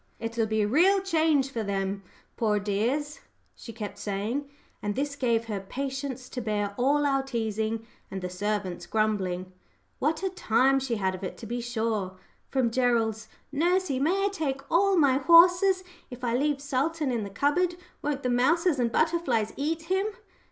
"It'll be a real change for them, poor dears," she kept saying; and this gave her patience to bear all our teasing and the servants' grumbling. What a time she had of it, to be sure! From Gerald's "Nursey, may I take all my horses? If I leave Sultan in the cupboard won't the mouses and butterflies eat him?"